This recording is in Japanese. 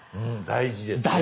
大事です！